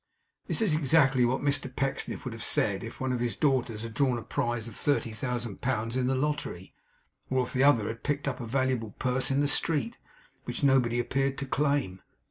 This is exactly what Mr Pecksniff would have said, if one of his daughters had drawn a prize of thirty thousand pounds in the lottery, or if the other had picked up a valuable purse in the street, which nobody appeared to claim.